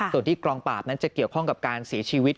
ส่วนที่กองปราบนั้นจะเกี่ยวข้องกับการเสียชีวิต